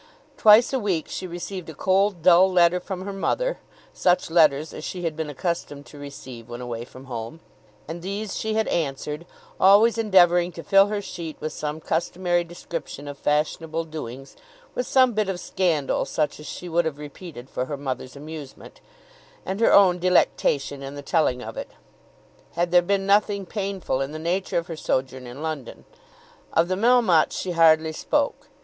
Twice a week she received a cold, dull letter from her mother, such letters as she had been accustomed to receive when away from home; and these she had answered, always endeavouring to fill her sheet with some customary description of fashionable doings, with some bit of scandal such as she would have repeated for her mother's amusement, and her own delectation in the telling of it, had there been nothing painful in the nature of her sojourn in London. Of the Melmottes she hardly spoke.